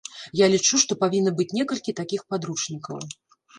Я лічу, што павінна быць некалькі такіх падручнікаў.